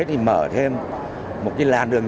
thì mở thêm một cái làn đường